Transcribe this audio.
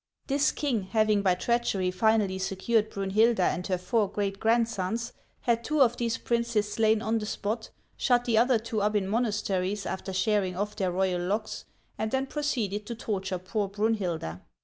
This king, having by treachery finally secured Brunhilda and her four great grandsons, had two of these princes slain on the spot, shut the other two up in monasteries after shearing off their royal locks, and then proceeded to torture poor Brunhilda.